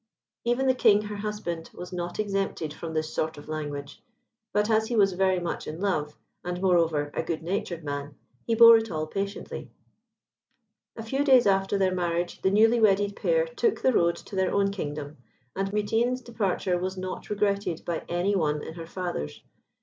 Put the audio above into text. Even the King, her husband, was not exempted from this sort of language; but as he was very much in love, and, moreover, a good natured man, he bore it all patiently. A few days after their marriage the newly wedded pair took the road to their own kingdom, and Mutine's departure was not regretted by any one in her Father's.